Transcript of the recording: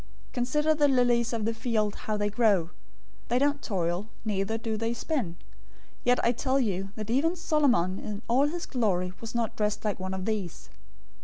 Consider the lilies of the field, how they grow. They don't toil, neither do they spin, 006:029 yet I tell you that even Solomon in all his glory was not dressed like one of these.